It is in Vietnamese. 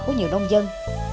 của nhiều nông dân